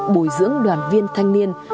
bồi dưỡng đoàn viên thanh niên